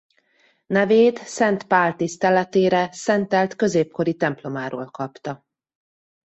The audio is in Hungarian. Nevét Szent Pál tiszteletére szentelt középkori templomáról kapta.